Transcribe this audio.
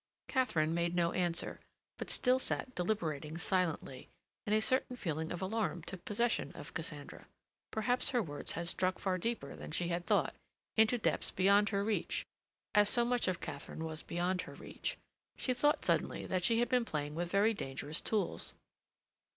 Katharine made no answer, but still sat deliberating silently, and a certain feeling of alarm took possession of Cassandra. Perhaps her words had struck far deeper than she had thought, into depths beyond her reach, as so much of Katharine was beyond her reach. She thought suddenly that she had been playing with very dangerous tools.